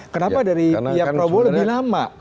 kenapa dari pihak probo lebih lama